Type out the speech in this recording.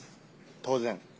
当然。